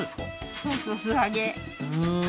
そうそう素揚げふーん